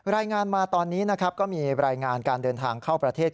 รายงานมาตอนนี้นะครับก็มีรายงานการเดินทางเข้าประเทศ